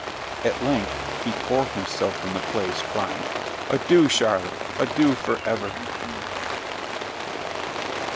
At length he tore himself from the place, crying, "Adieu, Charlotte, adieu for ever!"